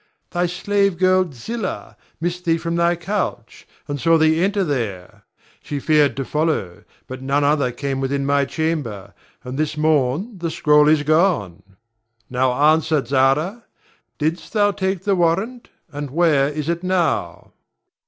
Thy slave girl, Zillah, missed thee from thy couch, and saw thee enter there. She feared to follow, but none other came within my chamber, and this morn the scroll is gone. Now answer, Zara! Didst thou take the warrant, and where is it now?